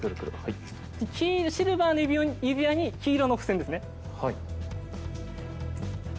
シルバーの指輪に黄色の付箋ですね。